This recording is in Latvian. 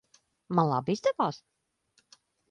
Man labi izdevās?